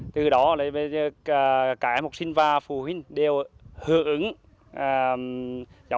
từ đó đến bây giờ các em học sinh và phụ huynh đều hữu ứng